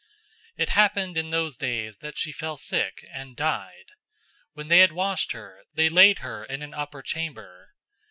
009:037 It happened in those days that she fell sick, and died. When they had washed her, they laid her in an upper chamber.